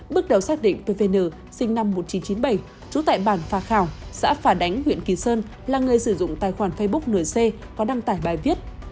bước đầu xác định pvn sinh năm một nghìn chín trăm chín mươi bảy trú tại bản phà khảo xã phà đánh huyện kỳ sơn là người sử dụng tài khoản facebook nc có đăng tải bài viết